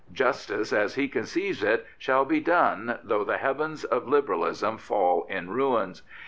Justice, as he conceives it, shall be done though the heavens of Liberalism fall in ruins.